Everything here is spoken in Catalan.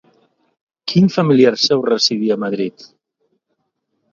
Quin familiar seu residia a Madrid?